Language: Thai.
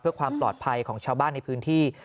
เพื่อความปลอดภัยของชาวบ้านในพื้นที่